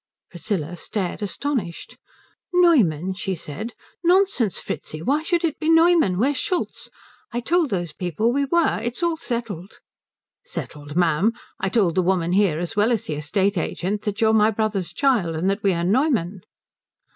Priscilla stared astonished. "Neumann?" she said. "Nonsense, Fritzi. Why should it be Neumann? We're Schultz. I told these people we were. It's all settled." "Settled, ma'am? I told the woman here as well as the estate agent that you are my brother's child and that we are Neumann."